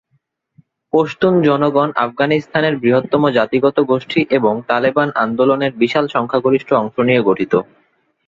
পশতুন জনগণ আফগানিস্তানের বৃহত্তম জাতিগত গোষ্ঠী এবং তালেবান আন্দোলনের বিশাল সংখ্যাগরিষ্ঠ অংশ নিয়ে গঠিত।